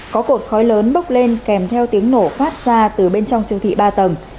có cột khói lớn bốc lên kèm theo tiếng nổ phát ra từ bên trong siêu thị ba tầng